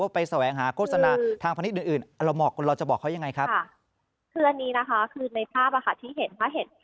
ไปที่โปรมากของร่างภาพนี้ต่อไปบางชุดนี้จะคือไม่เห็น